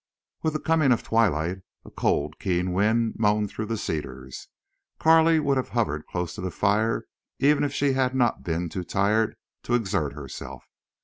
With the coming of twilight a cold, keen wind moaned through the cedars. Carley would have hovered close to the fire even if she had not been too tired to exert herself.